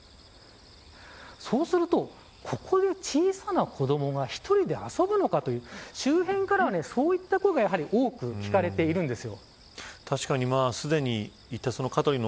そうすると、ここで小さな子どもが１人で遊ぶのかという周辺からはそういった声がやはり多く聞かれているんです。